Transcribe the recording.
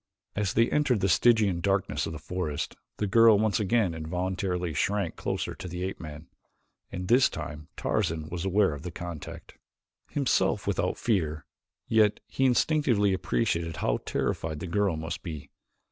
As they entered the Stygian darkness of the forest the girl once again involuntarily shrank closer to the ape man, and this time Tarzan was aware of the contact. Himself without fear, he yet instinctively appreciated how terrified the girl must be.